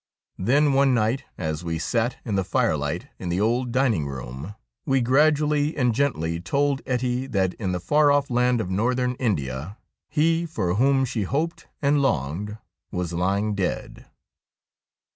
Then one night as we sat in the fire light in the old dining room, we gradually and gently told Ettie that in the far off land of Northern India he for whom she hoped and longed was lying dead.